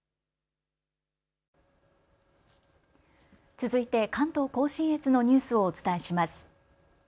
続いて関東甲信越のニュースをお伝えします。